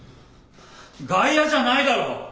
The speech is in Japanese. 外野じゃないだろ！